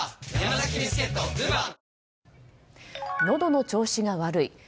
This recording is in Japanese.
のどの調子が悪い。